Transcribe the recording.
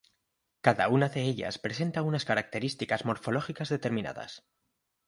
Cada una de ellas presenta unas características morfológicas determinadas.